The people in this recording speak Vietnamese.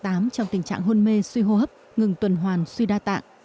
trong tình trạng hôn mê suy hô hấp ngừng tuần hoàn suy đa tạng